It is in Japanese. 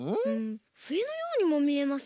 ふえのようにもみえますね。